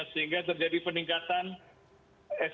sehingga terjadi peningkatan eskalasi